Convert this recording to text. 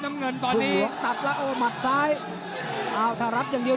กลางยก๔ฉีงเจี้ยว